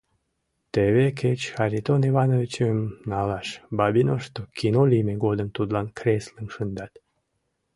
Теве кеч Харитон Ивановичым налаш: Бабиношто кино лийме годым тудлан креслым шындат.